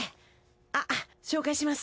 あっ紹介します。